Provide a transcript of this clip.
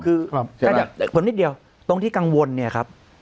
คือครับใช่ไหมผลนิดเดียวตรงที่กังวลเนี้ยครับ